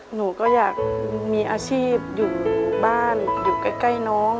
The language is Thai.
หนูก็อยากมีอาชีพอยู่บ้านอยู่ใกล้น้อง